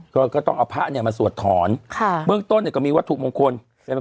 ก็ก็ต้องเอาพระเนี่ยมาสวดถอนค่ะเบื้องต้นเนี่ยก็มีวัตถุมงคล